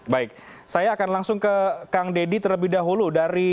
baik saya akan langsung ke kang deddy terlebih dahulu